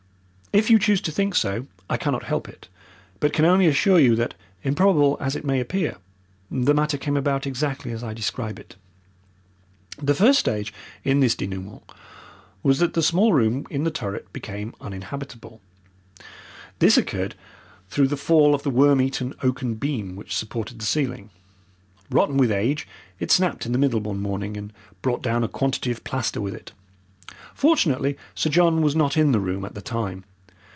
If you choose to think so I cannot help it, but can only assure you that, improbable as it may appear, the matter came about exactly as I describe it. The first stage in this denouement was that the small room in the turret became uninhabitable. This occurred through the fall of the worm eaten oaken beam which supported the ceiling. Rotten with age, it snapped in the middle one morning, and brought down a quantity of plaster with it. Fortunately Sir John was not in the room at the time.